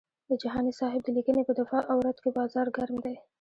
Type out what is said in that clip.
د جهاني صاحب د لیکنې په دفاع او رد کې بازار ګرم دی.